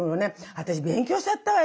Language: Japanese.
私勉強しちゃったわよ